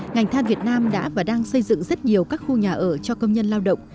ngành than việt nam đã và đang xây dựng rất nhiều các khu nhà ở cho công nhân lao động